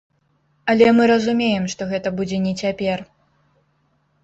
Але мы разумеем, што гэта будзе не цяпер.